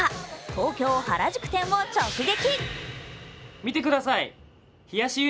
東京・原宿店を直撃！